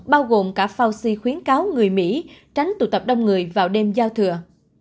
bao gồm cả fauci khuyến cáo người mỹ tránh tụ tập đông người vào đêm giao thừa